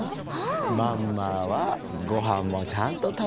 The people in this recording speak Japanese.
「マンマ」は「ごはんもちゃんとたべてるよ」。